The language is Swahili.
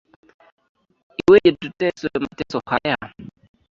Iweje tuteswe mateso haya